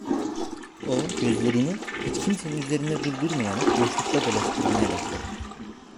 O, gözlerini hiç kimsenin üzerinde durdurmayarak, boşlukta dolaştırmaya başladı.